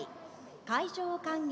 海上歓迎